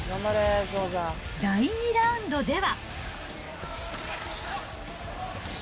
第２ラウンドでは。